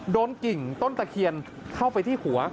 กิ่งต้นตะเคียนเข้าไปที่หัว